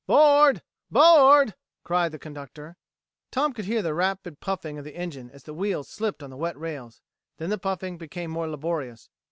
"'Board 'board," cried the conductor. Tom could hear the rapid puffing of the engine as the wheels slipped on the wet rails; then the puffing became more laborious.